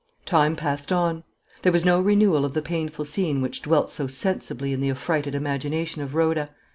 Time passed on: there was no renewal of the painful scene which dwelt so sensibly in the affrighted imagination of Rhoda.